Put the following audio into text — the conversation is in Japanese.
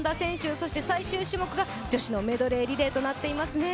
そして最終種目が女子のメドレーリレーとなっていますね。